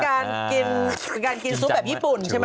การกินเป็นการกินซุปแบบญี่ปุ่นใช่ไหม